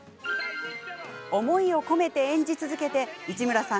思いを込めて演じ続けて市村さん